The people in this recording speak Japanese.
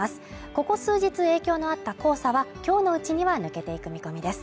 ここ数日影響のあった黄砂は今日のうちには抜けていく見込みです。